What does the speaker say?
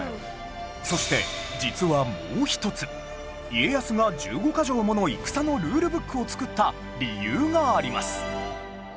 そして実はもう１つ家康が１５カ条もの戦のルールブックを作った理由があります